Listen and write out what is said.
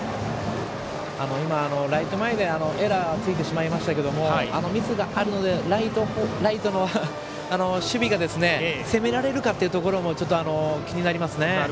今、ライト前でエラーがついてしまいましたがミスがあるのでライトの守備が攻められるかというところも気になりますね。